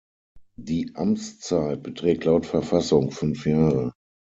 Die Amtszeit beträgt laut Verfassung fünf Jahre.